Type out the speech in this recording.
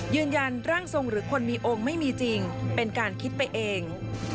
ยืนยันร่างทรงหรือคนมีองค์ไม่มีจริงเป็นการคิดไปเอง